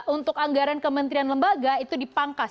untuk anggaran kementerian lembaga itu dipangkas